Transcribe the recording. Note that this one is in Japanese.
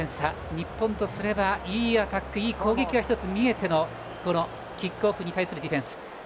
日本とすればいいアタックいい攻撃は１つ見えてのキックオフに対するディフェンス。